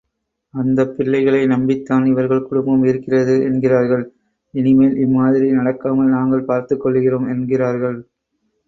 அந்தப் பிள்ளைகளை நம்பித்தான் இவர்கள் குடும்பம் இருக்கிறது என்கிறார்கள். இனிமேல் இம்மாதிரி நடக்காமல் நாங்கள் பார்த்துக் கொள்ளுகிறோம் என்கிறார்கள்.